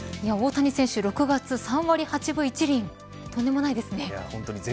大谷選手６月、３割８分１厘とんでもないですね。